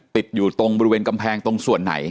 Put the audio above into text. ติดอยู่ตรงบริเวณกำแพงตรงส่วนไหน